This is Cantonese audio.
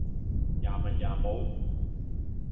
也文也武